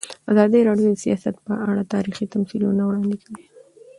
ازادي راډیو د سیاست په اړه تاریخي تمثیلونه وړاندې کړي.